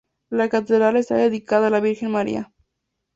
La catedral está dedicada a la Virgen María.